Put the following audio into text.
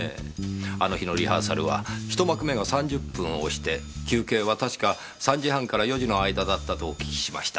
あの日のリハーサルは一幕目が３０分押して休憩は確か３時半から４時の間だったとお聞きしました。